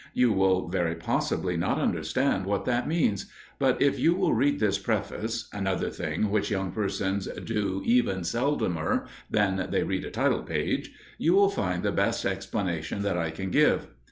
You will very possibly not understand what that means; but if you will read this preface another thing which young persons do even seldomer than they read a title page you will find the best explanation that I can give.